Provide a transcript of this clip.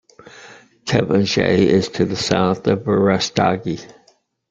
Kabanjahe is to the south of Berastagi.